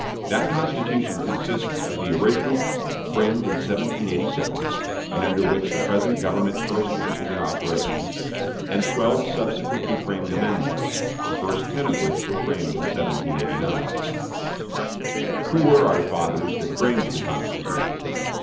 That Constitution consists of the original, framed in 1787, and under which the present government first went into operation, and twelve subsequently framed amendments, the first ten of which were framed in 1789. Who were our fathers that framed the Constitution?